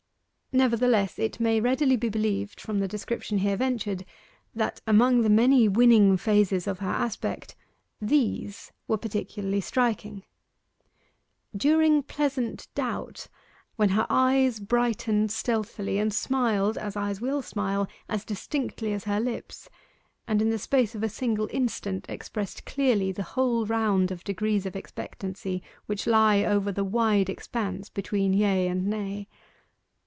Nevertheless it may readily be believed from the description here ventured, that among the many winning phases of her aspect, these were particularly striking: During pleasant doubt, when her eyes brightened stealthily and smiled (as eyes will smile) as distinctly as her lips, and in the space of a single instant expressed clearly the whole round of degrees of expectancy which lie over the wide expanse between Yea and Nay.